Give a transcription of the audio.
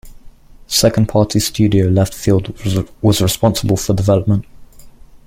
Second-party studio Left Field was responsible for development.